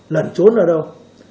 lần trốn ở đâu